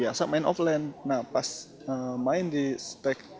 ada satu kompetisi yang sangat menyarankan dengan syarikat